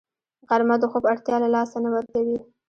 غرمه د خوب اړتیا له لاسه نه ورکوي